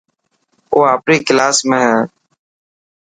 او آپري ڪلاس ۾ هي.